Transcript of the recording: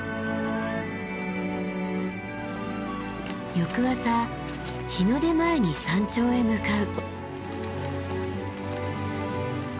翌朝日の出前に山頂へ向かう。